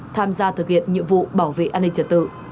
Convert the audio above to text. tham gia thực hiện nhiệm vụ bảo vệ an ninh trật tự